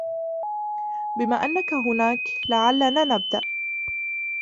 بما أنك هنا، لعلنا نبدأ.